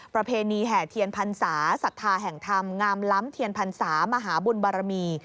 ประเพณีแห่เทียนพรรษาศรัทธาแห่งธรรมงามล้ำเทียนพรรษามหาบุญบารมี